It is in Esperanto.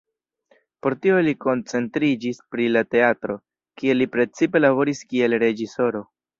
Por tio li koncentriĝis pri la teatro, kie li precipe laboris kiel reĝisoro.